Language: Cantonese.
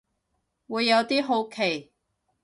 會有啲好奇